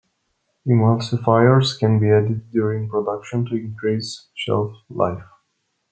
Emulsifiers can be added during production to increase shelf life.